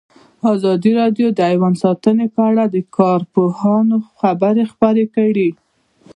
ازادي راډیو د حیوان ساتنه په اړه د کارپوهانو خبرې خپرې کړي.